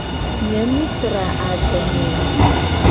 Nye mu sra adome o.